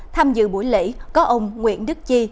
tham dự buổi lễ có ông nguyễn đức chi